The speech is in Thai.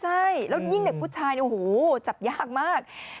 ใช่แล้วยิ่งเด็กผู้ชายเนี่ยโอ้โหจับยากมาก